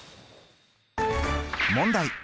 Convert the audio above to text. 問題。